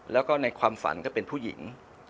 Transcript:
แล้วก็ในความฝันก็เป็นผู้หญิง